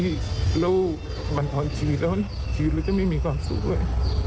เล่าบันทรชีก็จะไม่มีความสุขด้วย